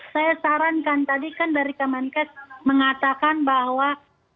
saya sarankan tadi kan dari teman kes mengatakan bahwa